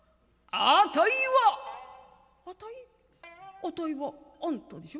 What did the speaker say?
あたいはあんたでしょ？